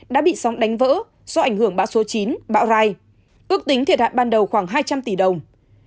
đã bị sóng đánh vỡ do ảnh hưởng bão số chín bão rai ước tính thiệt hại ban đầu khoảng hai trăm linh tỷ đồng